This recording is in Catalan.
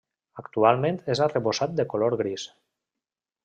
Actualment és arrebossat de color gris.